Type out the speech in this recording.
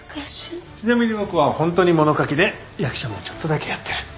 ちなみに僕はホントに物書きで役者もちょっとだけやってる。